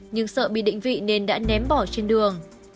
nhưng sợ bị định vị nên đã ném bỏ trên đường